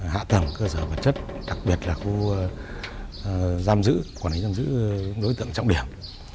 hạ tầng cơ sở vật chất đặc biệt là khu giam giữ quản lý giam giữ đối tượng trọng điểm